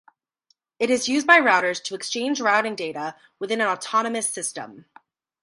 It is used by routers to exchange routing data within an autonomous system.